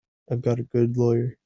I've got a good lawyer.